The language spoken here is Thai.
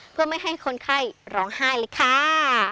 เพื่อไม่ให้คนไข้ร้องไห้เลยค่ะ